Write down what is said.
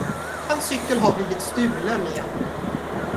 Hans cykel har blivit stulen igen.